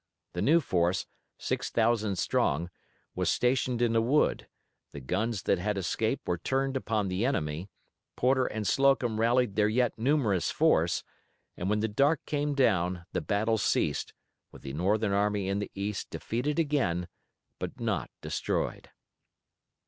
The new force, six thousand strong, was stationed in a wood, the guns that had escaped were turned upon the enemy, Porter and Slocum rallied their yet numerous force, and when the dark came down the battle ceased with the Northern army in the east defeated again, but not destroyed.